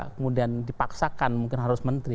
kemudian dipaksakan mungkin harus menteri